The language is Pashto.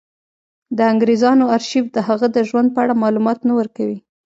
د انګرېزانو ارشیف د هغه د ژوند په اړه معلومات نه ورکوي.